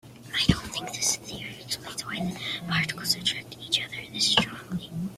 I don't think this theory explains why the particles attract each other this strongly.